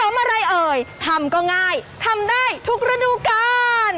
ทำอะไรเอ่ยทำก็ง่ายทำได้ทุกระดูการ